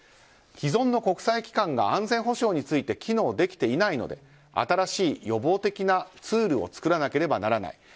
既存の国際機関が安全保障について機能できていないので新しい予防的なツールを作らなければならない。